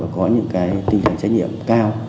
có những tinh thần trách nhiệm cao